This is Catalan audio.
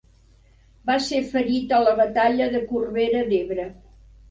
Va ser ferit a la batalla de Corbera d'Ebre.